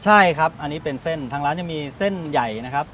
ใช่ครับอันนี้เป็นเส้นทางร้านจะมีเส้นใหญ่นะครับ